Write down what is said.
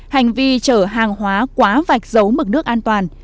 hành vi chở hàng hóa quá vạch giấu mực nước an toàn